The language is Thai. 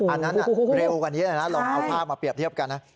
อันนั้นเร็วกว่านี้เลยนะลองเอาภาพมาเปรียบเทียบกันนะ